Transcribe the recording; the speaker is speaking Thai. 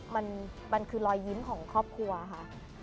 มันคือรอยยิ้มของครอบครัวค่ะ